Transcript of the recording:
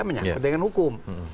menyakit dengan hukum